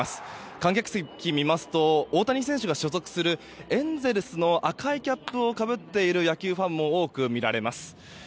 観客席を見ますと大谷選手が所属するエンゼルスの赤いキャップをかぶっている野球ファンも多く見られます。